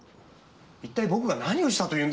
一体僕が何をしたというんです？